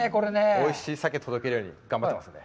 おいしい鮭を届けられるように頑張ってますね。